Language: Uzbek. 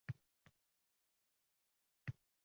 ko‘zlar ko‘proq bo‘lgani yaxshi, deysiz albatta.